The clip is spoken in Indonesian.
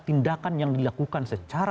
tindakan yang dilakukan secara